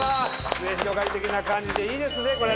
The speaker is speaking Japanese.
末広がり的な感じでいいですねこれね！